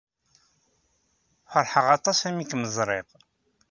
Feṛḥeɣ aṭas imi ay kem-ẓriɣ.